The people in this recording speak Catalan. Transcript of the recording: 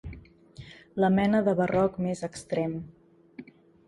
La mena de barroc més extrem.